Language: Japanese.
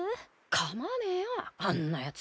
構わねえよあんなやつ。